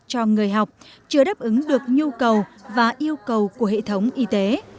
cho người học chưa đáp ứng được nhu cầu và yêu cầu của hệ thống y tế